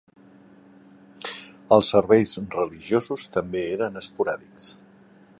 Els serveis religiosos també eren esporàdics.